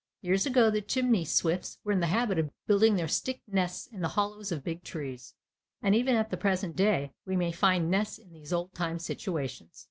Years ago the chimney swifts were in the habit of building their stick nests in the hollows of big trees, and even at the present day we may find nests in these old time situations.